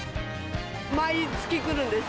毎月来るんです。